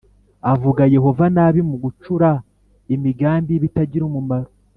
Avuga Yehova nabi mu gucura imigambi y’ibitagira umumaro